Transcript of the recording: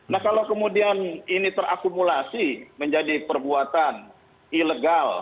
nah kalau kemudian ini terakumulasi menjadi perbuatan ilegal